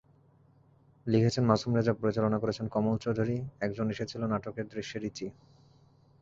লিখেছেন মাসুম রেজা, পরিচালনা করেছেন কমল চৌধুরীএকজন এসেছিল নাটকের দৃশ্যে রিচি।